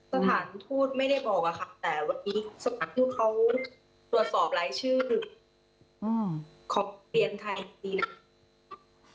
สถานทูตไม่ได้บอกอะค่ะแต่วันนี้สถานทูตเขาตรวจสอบรายชื่อขอเปลี่ยนทางอีกทีหนึ่ง